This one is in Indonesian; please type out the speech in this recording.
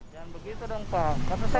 jangan begitu dong pak karena saya